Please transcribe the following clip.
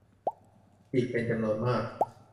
อีกเป็นจำนวนมาก